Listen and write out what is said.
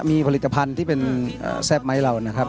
มีผลิตภัณฑ์ที่เป็นแซ่บไม้เรานะครับ